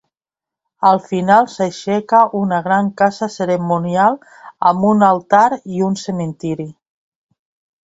Al final s'aixeca una gran casa cerimonial amb un altar i un cementiri.